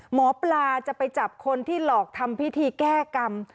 หมอปลาจะไปจับคนที่หลอกทำพิธีแก้กรรม